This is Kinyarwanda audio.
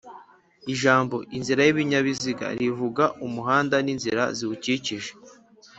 Ijambo "inzira y'ibinyabiziga", rivuga umuhanda n'inzira ziwukikije